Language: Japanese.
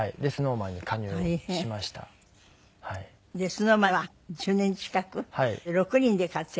ＳｎｏｗＭａｎは１０年近く６人で活躍。